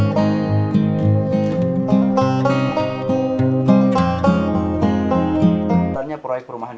ya ya fion dan hem